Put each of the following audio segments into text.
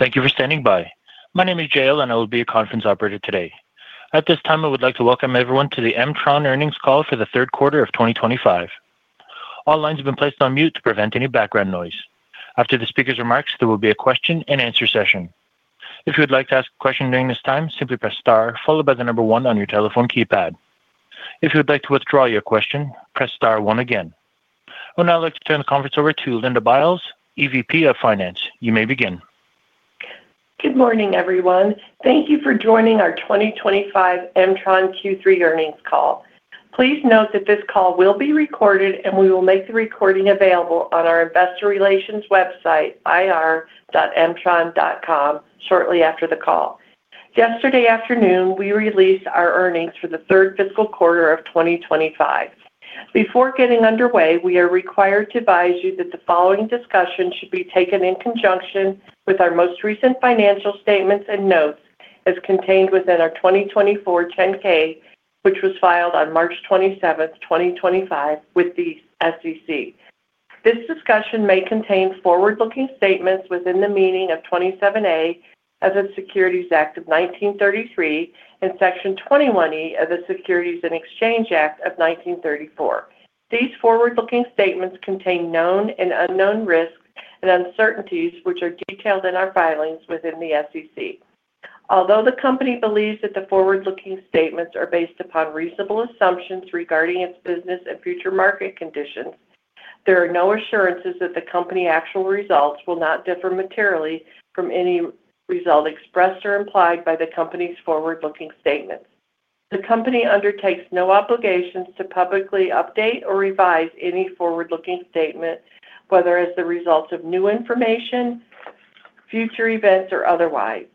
Thank you for standing by. My name is Jale, and I will be your conference operator today. At this time, I would like to welcome everyone to the M-tron Industries earnings call for the third quarter of 2025. All lines have been placed on mute to prevent any background noise. After the speaker's remarks, there will be a question-and-answer session. If you would like to ask a question during this time, simply press star, followed by the number one on your telephone keypad. If you would like to withdraw your question, press star one again. I would now like to turn the conference over to Linda Biles, EVP of Finance. You may begin. Good morning, everyone. Thank you for joining our 2025 M-tron Industries Q3 earnings call. Please note that this call will be recorded, and we will make the recording available on our investor relations website, ir.mtron.com, shortly after the call. Yesterday afternoon, we released our earnings for the third fiscal quarter of 2025. Before getting underway, we are required to advise you that the following discussion should be taken in conjunction with our most recent financial statements and notes as contained within our 2024 10-K, which was filed on March 27th, 2025, with the SEC. This discussion may contain forward-looking statements within the meaning of 27A of the Securities Act of 1933 and Section 21E of the Securities Exchange Act of 1934. These forward-looking statements contain known and unknown risks and uncertainties, which are detailed in our filings with the SEC. Although the company believes that the forward-looking statements are based upon reasonable assumptions regarding its business and future market conditions, there are no assurances that the company's actual results will not differ materially from any result expressed or implied by the company's forward-looking statements. The company undertakes no obligations to publicly update or revise any forward-looking statement, whether as the result of new information, future events, or otherwise.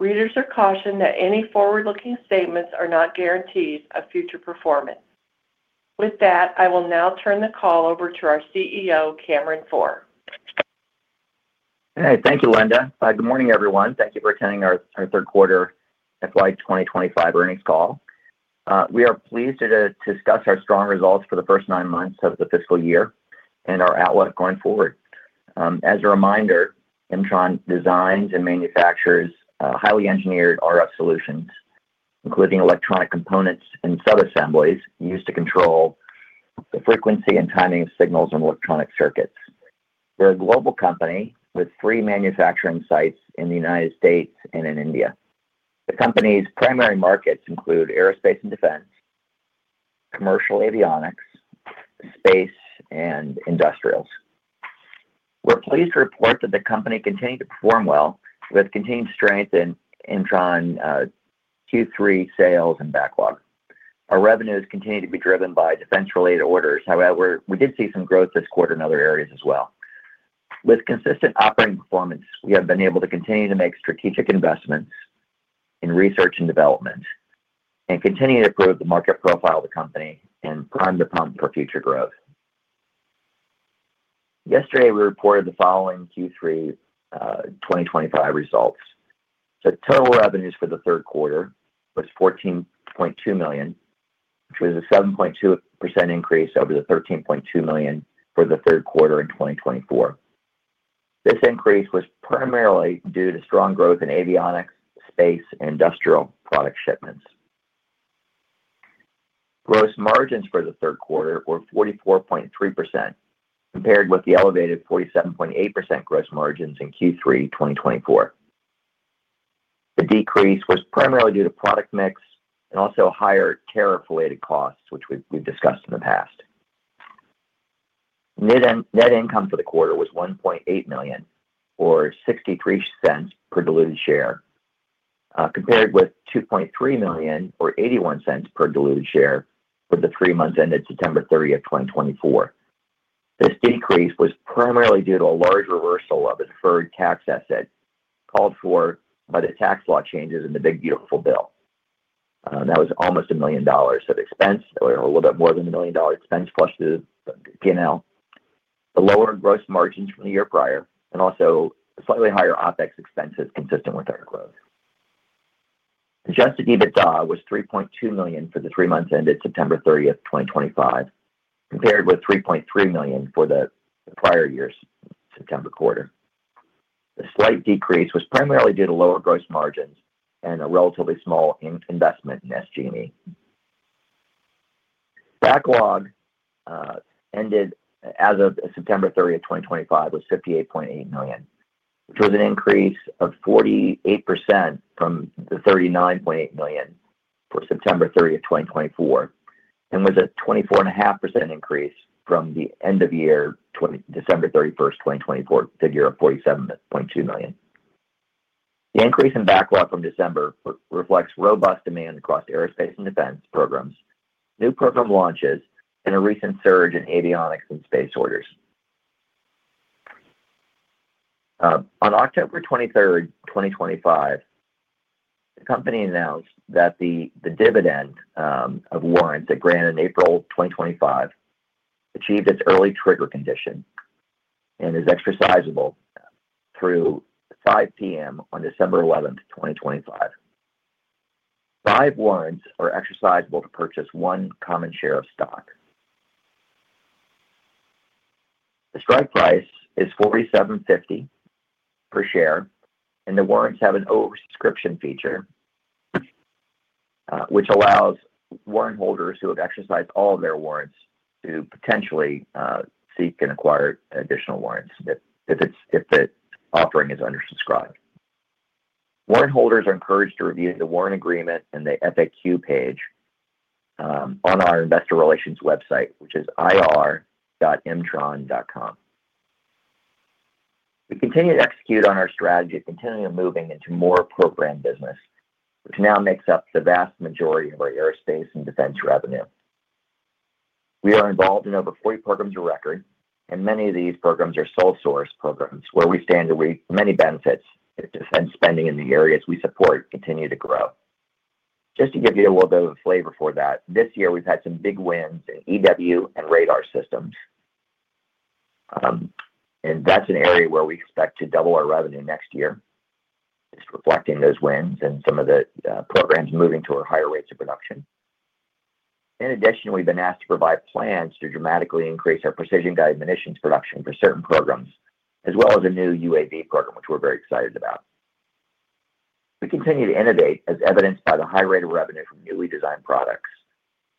Readers are cautioned that any forward-looking statements are not guarantees of future performance. With that, I will now turn the call over to our CEO, Cameron Pforr. Thank you, Linda. Good morning, everyone. Thank you for attending our third quarter FY 2025 earnings call. We are pleased to discuss our strong results for the first nine months of the fiscal year and our outlook going forward. As a reminder, M-tron designs and manufactures highly engineered RF solutions, including electronic components and subassemblies used to control the frequency and timing of signals on electronic circuits. We're a global company with three manufacturing sites in the United States and in India. The company's primary markets include aerospace and defense, commercial avionics, space, and industrials. We're pleased to report that the company continues to perform well with continued strength in M-tron Q3 sales and backlog. Our revenues continue to be driven by defense-related orders. However, we did see some growth this quarter in other areas as well. With consistent operating performance, we have been able to continue to make strategic investments in research and development and continue to improve the market profile of the company and prime the pump for future growth. Yesterday, we reported the following Q3 2025 results. The total revenues for the third quarter was $14.2 million, which was a 7.2% increase over the $13.2 million for the third quarter in 2024. This increase was primarily due to strong growth in avionics, space, and industrial product shipments. Gross margins for the third quarter were 44.3%, compared with the elevated 47.8% gross margins in Q3 2024. The decrease was primarily due to product mix and also higher tariff-related costs, which we've discussed in the past. Net income for the quarter was $1.8 million, or $0.63 per diluted share, compared with $2.3 million, or $0.81 per diluted share, for the three months ended September 30th, 2024. This decrease was primarily due to a large reversal of a deferred tax asset called for by the tax law changes in the Big Beautiful Bill. That was almost $1 million of expense, or a little bit more than $1 million of expense, plus the P&L, the lower gross margins from the year prior, and also slightly higher OpEx expenses consistent with our growth. Adjusted EBITDA was $3.2 million for the three months ended September 30th, 2025, compared with $3.3 million for the prior year's September quarter. The slight decrease was primarily due to lower gross margins and a relatively small investment in SG&E. Backlog ended as of September 30th, 2025, was $58.8 million, which was an increase of 48% from the $39.8 million for September 30th, 2024, and was a 24.5% increase from the end-of-year December 31st, 2024 figure of $47.2 million. The increase in backlog from December reflects robust demand across aerospace and defense programs, new program launches, and a recent surge in avionics and space orders. On October 23rd, 2025, the company announced that the dividend of warrants it granted in April 2025 achieved its early trigger condition and is exercisable through 5:00 P.M. on December 11th, 2025. Five warrants are exercisable to purchase one common share of stock. The strike price is $4,750 per share, and the warrants have an oversubscription feature, which allows warrant holders who have exercised all of their warrants to potentially seek and acquire additional warrants if the offering is undersubscribed. Warrant holders are encouraged to review the warrant agreement and the FAQ page on our investor relations website, which is ir.mtron.com. We continue to execute on our strategy of continually moving into more program business, which now makes up the vast majority of our aerospace and defense revenue. We are involved in over 40 programs of record, and many of these programs are sole-source programs, where we stand to reap many benefits if defense spending in the areas we support continues to grow. Just to give you a little bit of a flavor for that, this year we've had some big wins in EW and radar systems, and that's an area where we expect to double our revenue next year, just reflecting those wins and some of the programs moving to our higher rates of production. In addition, we've been asked to provide plans to dramatically increase our precision-guided munitions production for certain programs, as well as a new UAV program, which we're very excited about. We continue to innovate, as evidenced by the high rate of revenue from newly designed products.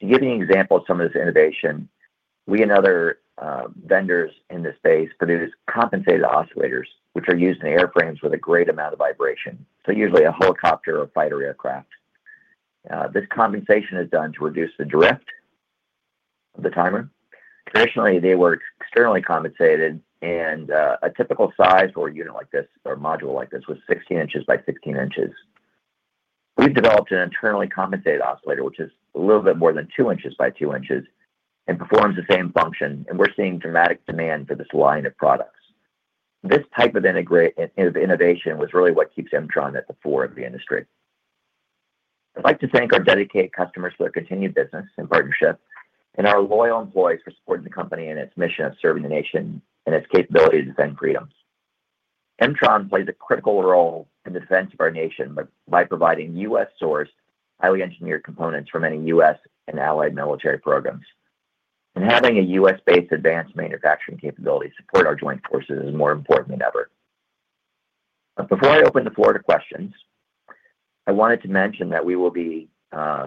To give you an example of some of this innovation, we and other vendors in this space produce compensated oscillators, which are used in airframes with a great amount of vibration, so usually a helicopter or fighter aircraft. This compensation is done to reduce the drift of the timer. Traditionally, they were externally compensated, and a typical size for a unit like this or a module like this was 16 inches by 16 inches. We've developed an internally compensated oscillator, which is a little bit more than two inches by two inches and performs the same function, and we're seeing dramatic demand for this line of products. This type of innovation was really what keeps M-tron at the fore of the industry. I'd like to thank our dedicated customers for their continued business and partnership and our loyal employees for supporting the company and its mission of serving the nation and its capability to defend freedoms. M-tron plays a critical role in the defense of our nation by providing U.S.-sourced, highly engineered components for many U.S. and allied military programs. Having a U.S.-based advanced manufacturing capability to support our joint forces is more important than ever. Before I open the floor to questions, I wanted to mention that we will be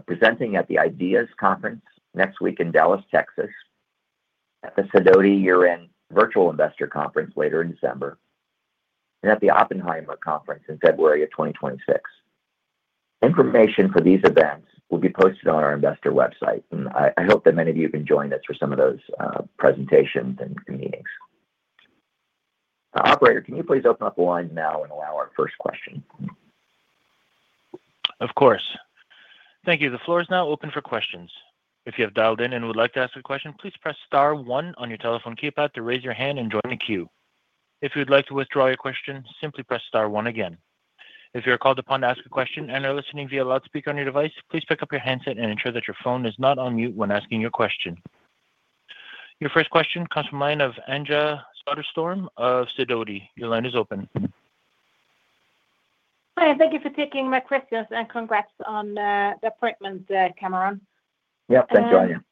presenting at the IDEAS Conference next week in Dallas, Texas, at the Sidoti Year-End Virtual Investor Conference later in December, and at the Oppenheimer Conference in February of 2026. Information for these events will be posted on our investor website, and I hope that many of you can join us for some of those presentations and meetings. Operator, can you please open up the lines now and allow our first question? Of course. Thank you. The floor is now open for questions. If you have dialed in and would like to ask a question, please press star one on your telephone keypad to raise your hand and join the queue. If you would like to withdraw your question, simply press star one again. If you are called upon to ask a question and are listening via loudspeaker on your device, please pick up your handset and ensure that your phone is not on mute when asking your question. Your first question comes from line of Anja Soderstrom of Sidoti. Your line is open. Hi. Thank you for taking my questions and congrats on the appointment, Cameron. Yep. Thanks, Anja.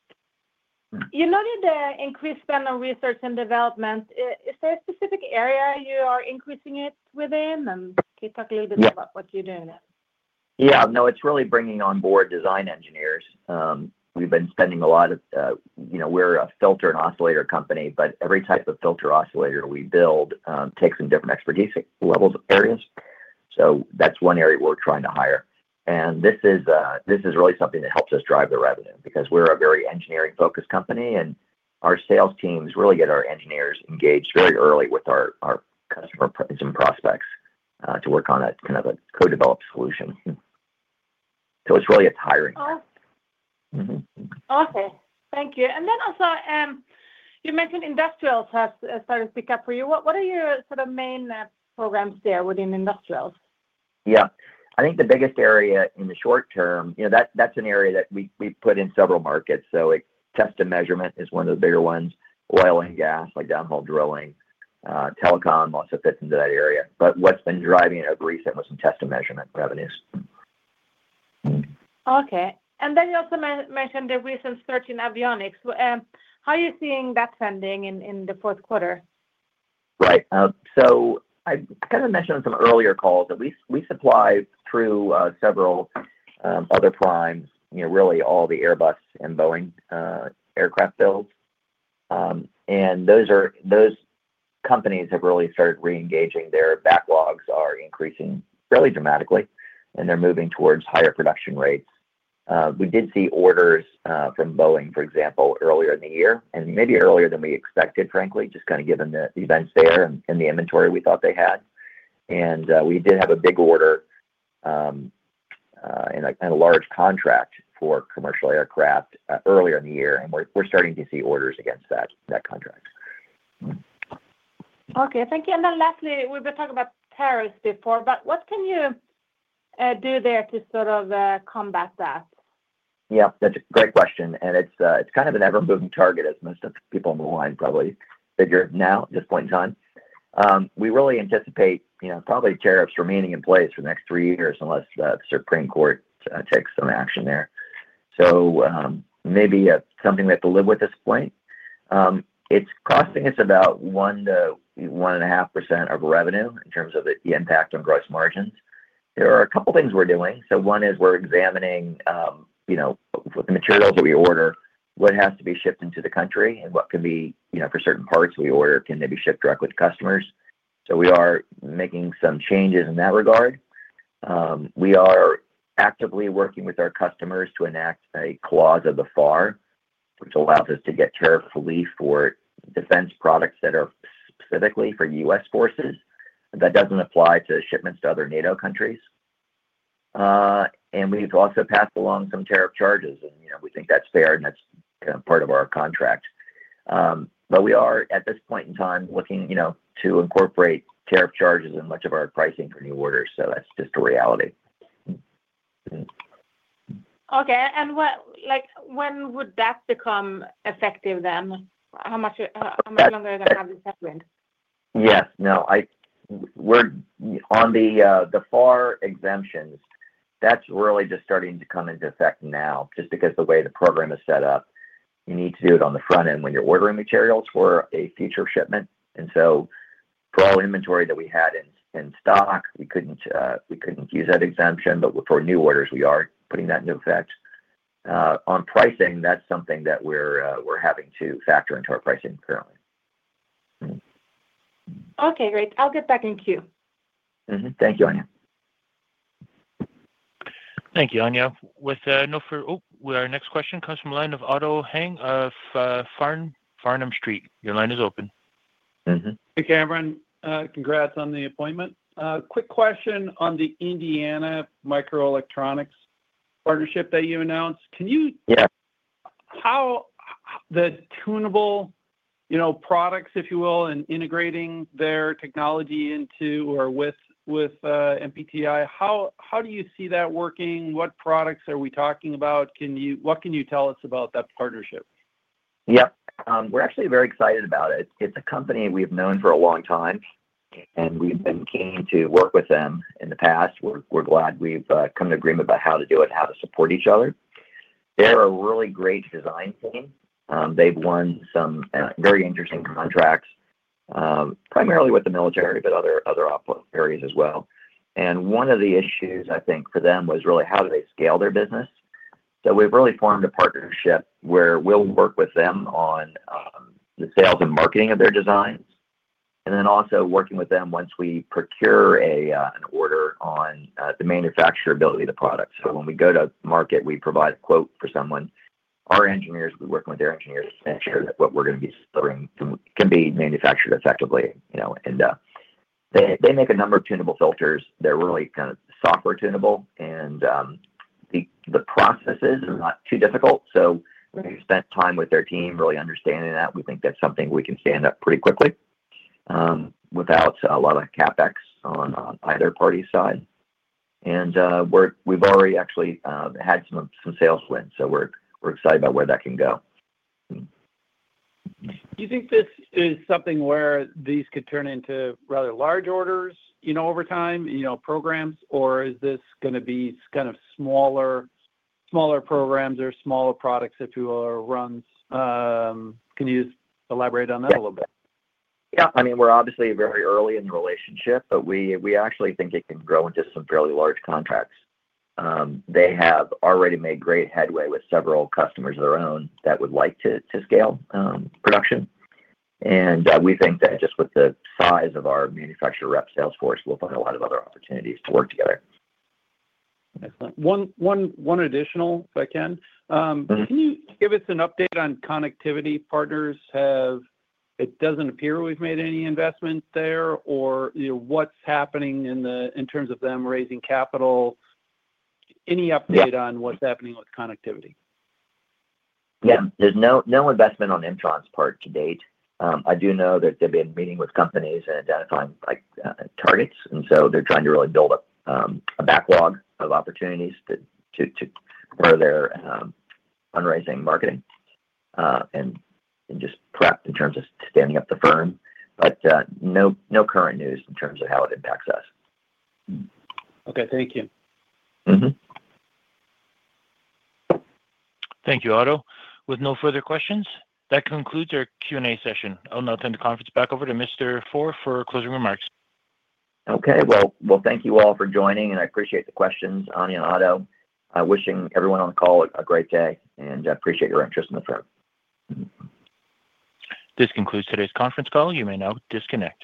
You noted the increased spend on research and development. Is there a specific area you are increasing it within? Can you talk a little bit about what you're doing there? Yeah. No, it's really bringing on board design engineers. We've been spending a lot of—we're a filter and oscillator company, but every type of filter oscillator we build takes some different expertise levels of areas. That is one area we're trying to hire. This is really something that helps us drive the revenue because we're a very engineering-focused company, and our sales teams really get our engineers engaged very early with our customer and prospects to work on a kind of a co-developed solution. It's really a tiring job. Okay. Thank you. You mentioned industrials has started to pick up for you. What are your sort of main programs there within industrials? Yeah. I think the biggest area in the short term, that's an area that we put in several markets. Test and measurement is one of the bigger ones. Oil and gas, like downhole drilling. Telecom also fits into that area. What's been driving it of recent was some test and measurement revenues. Okay. You also mentioned the recent surge in avionics. How are you seeing that spending in the fourth quarter? Right. I kind of mentioned in some earlier calls that we supply through several other primes, really all the Airbus and Boeing aircraft builds. Those companies have really started re-engaging. Their backlogs are increasing fairly dramatically, and they're moving towards higher production rates. We did see orders from Boeing, for example, earlier in the year, and maybe earlier than we expected, frankly, just kind of given the events there and the inventory we thought they had. We did have a big order and a large contract for commercial aircraft earlier in the year, and we're starting to see orders against that contract. Okay. Thank you. Lastly, we've been talking about tariffs before, but what can you do there to sort of combat that? Yeah. That's a great question. It's kind of an ever-moving target, as most of the people on the line probably figure now at this point in time. We really anticipate probably tariffs remaining in place for the next three years unless the Supreme Court takes some action there. Maybe it's something we have to live with at this point. It's costing us about 1%-1.5% of revenue in terms of the impact on gross margins. There are a couple of things we're doing. One is we're examining with the materials that we order, what has to be shipped into the country and what can be for certain parts we order, can they be shipped directly to customers? We are making some changes in that regard. We are actively working with our customers to enact a clause of the FAR, which allows us to get tariff relief for defense products that are specifically for U.S. forces. That does not apply to shipments to other NATO countries. We have also passed along some tariff charges, and we think that is fair, and that is kind of part of our contract. We are, at this point in time, looking to incorporate tariff charges in much of our pricing for new orders. That is just a reality. Okay. When would that become effective then? How much longer does that have to happen? Yes. No, on the FAR exemptions, that's really just starting to come into effect now, just because the way the program is set up, you need to do it on the front end when you're ordering materials for a future shipment. For all inventory that we had in stock, we couldn't use that exemption, but for new orders, we are putting that into effect. On pricing, that's something that we're having to factor into our pricing currently. Okay. Great. I'll get back in queue. Thank you, Anja. Thank you, Anja. With our next question comes from line of Otto Hang of Farnam Street. Your line is open. Hey, Cameron. Congrats on the appointment. Quick question on the Indiana Microelectronics Partnership that you announced. Can you tell how the tunable products, if you will, and integrating their technology into or with MPTI, how do you see that working? What products are we talking about? What can you tell us about that partnership? Yep. We're actually very excited about it. It's a company we've known for a long time, and we've been keen to work with them in the past. We're glad we've come to an agreement about how to do it and how to support each other. They're a really great design team. They've won some very interesting contracts, primarily with the military, but other areas as well. One of the issues, I think, for them was really how do they scale their business. We've really formed a partnership where we'll work with them on the sales and marketing of their designs, and then also working with them once we procure an order on the manufacturability of the product. When we go to market, we provide a quote for someone. Our engineers, we work with their engineers to make sure that what we're going to be delivering can be manufactured effectively. They make a number of tunable filters. They're really kind of software tunable, and the processes are not too difficult. We spent time with their team really understanding that. We think that's something we can stand up pretty quickly without a lot of CapEx on either party's side. We've already actually had some sales win, so we're excited about where that can go. Do you think this is something where these could turn into rather large orders over time, programs, or is this going to be kind of smaller programs or smaller products, if you will, or runs? Can you elaborate on that a little bit? Yeah. I mean, we're obviously very early in the relationship, but we actually think it can grow into some fairly large contracts. They have already made great headway with several customers of their own that would like to scale production. We think that just with the size of our manufacturer rep sales force, we'll find a lot of other opportunities to work together. Excellent. One additional, if I can. Can you give us an update on Connectivity Partners? It doesn't appear we've made any investment there, or what's happening in terms of them raising capital? Any update on what's happening with Connectivity? Yeah. There's no investment on M-tron Industries' part to date. I do know that they've been meeting with companies and identifying targets, and so they're trying to really build up a backlog of opportunities for their fundraising marketing and just prep in terms of standing up the firm. No current news in terms of how it impacts us. Okay. Thank you. Thank you, Otto. With no further questions, that concludes our Q&A session. I'll now turn the conference back over to Mr. Pforr for closing remarks. Okay. Thank you all for joining, and I appreciate the questions, Anja and Otto. Wishing everyone on the call a great day, and I appreciate your interest in the firm. This concludes today's conference call. You may now disconnect.